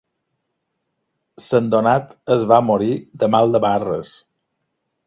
Sant Donat es va morir de mal de barres.